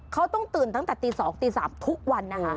เขาต้องตื่นตั้งแต่ตี๒ตี๓ทุกวันนะคะ